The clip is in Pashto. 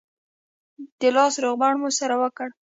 د لاس روغبړ مو سره وکړ.